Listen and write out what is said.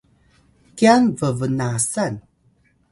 kyan bbnasan